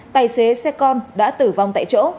tài xế xe con đã tử vong tại chỗ